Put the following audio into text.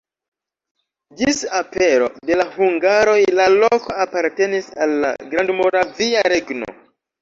Ĝis apero de la hungaroj la loko apartenis al la Grandmoravia Regno.